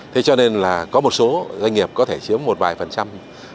thế cho nên là có một số doanh nghiệp có thể chiếm một vài phần trăm